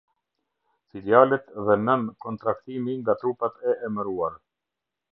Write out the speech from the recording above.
Filialet dhe nën-kontraktimi nga trupat e emëruar.